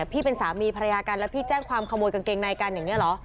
พี่เป็นสามีภรรยากันแล้วพี่แจ้งความขโมยกางเกงในกันอย่างนี้เหรอ